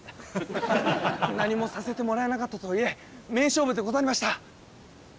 何もさせてもらえなかったとはいえ名勝負でございました。